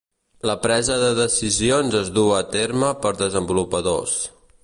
La presa de decisions es duu a terme per desenvolupadors.